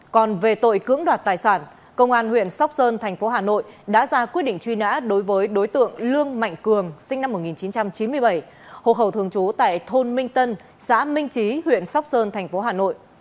công an huyện sóc sơn thành phố hà nội đã ra quyết định truy nã đối với đối tượng lương mạnh cường sinh năm một nghìn chín trăm chín mươi bảy hộ khẩu thường trú tại thôn minh tân xã minh trí huyện sóc sơn thành phố hà nội